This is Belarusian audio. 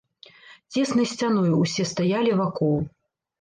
Цеснай сцяною ўсе стаялі вакол.